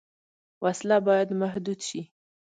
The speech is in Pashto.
وسله باید محدود شي